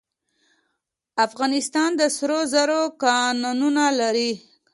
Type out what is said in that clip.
افغانستان د سرو زرو کانونه لري